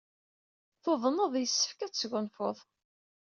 Tuḍneḍ. Yessefk ad tesgunfuḍ.